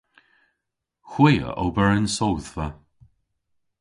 Hwi a ober yn sodhva.